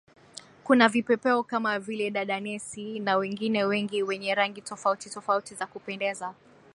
Kuna vipepeo kama vile Dadanesi na wengine wengi wenye rangi tofauti tofauti za kupendeza